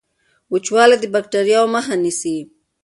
وچوالی د باکټریاوو مخه نیسي.